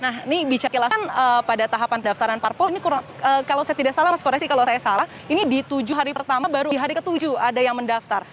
nah ini bicara jelasan pada tahapan pendaftaran parpol ini kalau saya tidak salah mas koreksi kalau saya salah ini di tujuh hari pertama baru di hari ke tujuh ada yang mendaftar